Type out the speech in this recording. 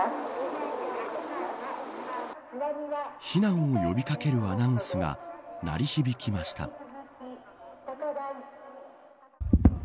避難を呼びかけるアナウンスが鳴り響きました。